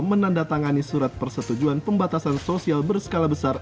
menandatangani surat persetujuan pembatasan sosial berskala besar